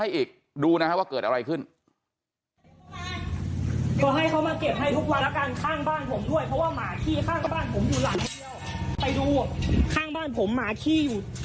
ผมด้วยเพราะว่าหมาขี้ข้างบ้านผมอยู่หลังเดียวไปดูข้างบ้านผมหมาขี้อยู่